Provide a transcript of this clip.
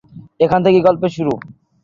এখান থেকেই গল্পের শুরু।